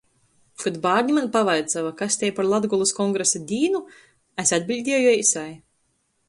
Kod bārni maņ pavaicuoja, kas tei par Latgolys kongresa dīnu, es atbiļdieju eisai.